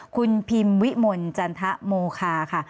คุณพิมวิมลจันทะโมคาค่ะ